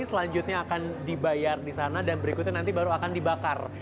selanjutnya akan dibayar di sana dan berikutnya nanti baru akan dibakar